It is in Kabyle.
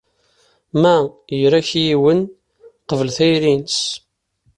Ma ira-k yiwen, qbel tayri-nnes.